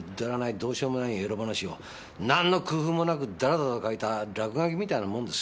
どうしようもないエロ話を何の工夫もなくダラダラと書いた落書きみたいなもんです。